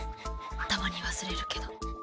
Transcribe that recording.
たまに忘れるけど。